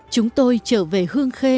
chúng tôi trở về hương khê